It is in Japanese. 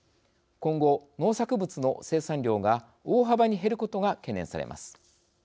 今後、農作物の生産量が大幅に減ることが懸念されます。